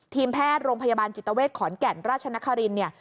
ทีมแพทย์โรงพยาบาลจิตเวทขอนแก่นราชนครินเนี่ย